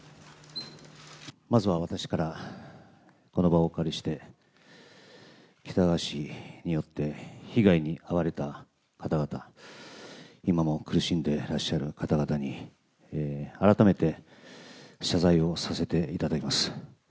まずは私から、この場をお借りして、喜多川氏によって被害に遭われた方々、今も苦しんでらっしゃる方々に、改めて謝罪をさせていただきます。